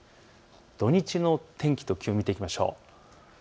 土日の天気と気温を見ていきましょう。